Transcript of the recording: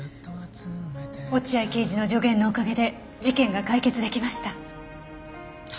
落合刑事の助言のおかげで事件が解決出来ました。